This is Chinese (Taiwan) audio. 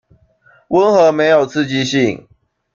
溫和沒有刺激性